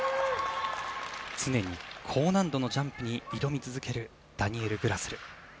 常に高難度のジャンプに挑み続けるダニエル・グラスル。